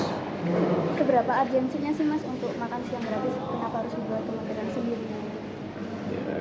seberapa urgensinya sih mas untuk makan siang gratis kenapa harus dibuat kementerian sendiri